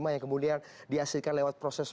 yang kemudian dihasilkan lewat proses